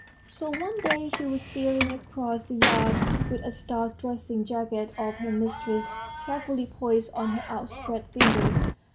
So one day she was stealing across the yard, with a starched dressing jacket of her mistress's carefully poised on her outspread fingers